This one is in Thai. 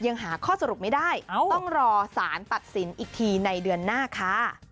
ยังหาข้อสรุปไม่ได้ต้องรอสารตัดสินอีกทีในเดือนหน้าค่ะ